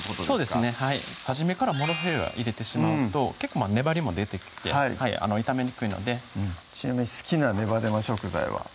そうですね初めからモロヘイヤを入れてしまうと結構ねばりも出てきて炒めにくいのでちなみに好きなネバネバ食材は？